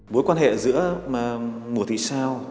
bối quan hệ giữa mùa thị sao